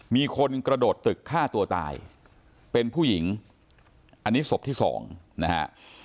มีคนกระโดดตึกฆ่าตัวตายเป็นผู้หญิงอันนี้ศพที่สองนะฮะ